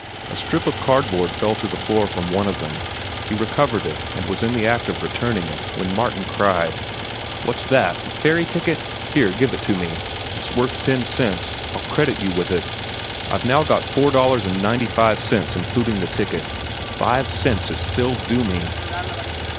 A strip of cardboard fell to the floor from one of them. He recovered it and was in the act of returning it, when Martin cried: "What's that?—A ferry ticket? Here, give it to me. It's worth ten cents. I'll credit you with it. I've now got four dollars and ninety five cents, including the ticket. Five cents is still due me."